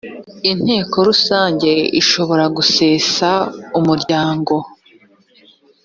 inteko rusange ishobora gusesa umuryango